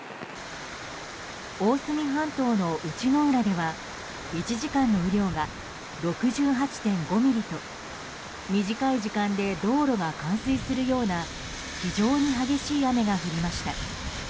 大隅半島の内之浦では１時間の雨量が６８．５ミリと短い時間で道路が冠水するような非常に激しい雨が降りました。